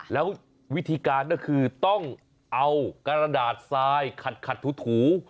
แล้ววิธีการก็คือต้องเอากระดาษทรายขัดถู